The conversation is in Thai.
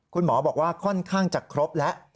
คุณหมอบอกว่าค่อนข้างจะครบแล้ว